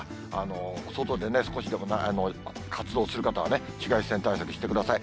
外で少しでも活動する方はね、紫外線対策してください。